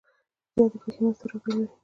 زیاتې پیښې منځته راغلي وي.